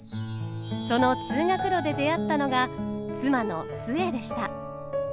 その通学路で出会ったのが妻の壽衛でした。